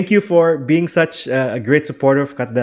ketua sekretariat lingkar temu kabupaten nestari atau ltkl